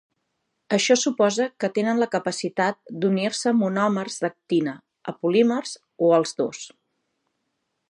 Això suposa que tenen la capacitat d'unir-se a monòmers d'actina, a polímers o als dos.